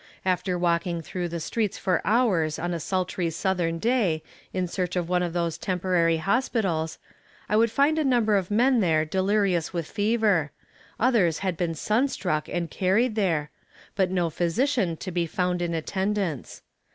After walking through the streets for hours on a sultry southern day in search of one of those temporary hospitals, I would find a number of men there delirious with fever others had been sun struck and carried there but no physician to be found in attendance.